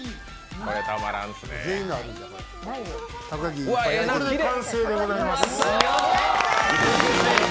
これで完成でございます。